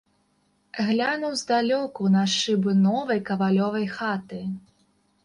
Глянуў здалёку на шыбы новай кавалёвай хаты.